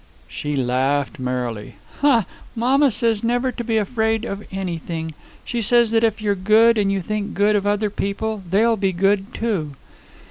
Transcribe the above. She laughed merrily. "Mamma says never to be afraid of anything. She says that if you're good, and you think good of other people, they'll be good, too."